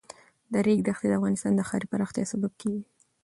د ریګ دښتې د افغانستان د ښاري پراختیا سبب کېږي.